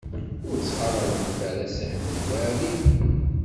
Ur ttxalaḍemt ara Si Ḥmed Waɛli.